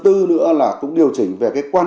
thứ nữa là cũng điều chỉnh về cái quan